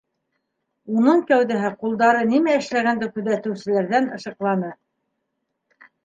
Уның кәүҙәһе ҡулдары нимә эшләгәнде күҙәтеүселәрҙән ышыҡланы.